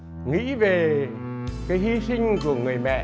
và nghĩ về cái hy sinh của người mẹ